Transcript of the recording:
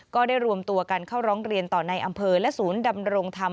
ก็ได้รวมตัวกันเข้าร้องเรียนต่อในอำเภอและศูนย์ดำรงธรรม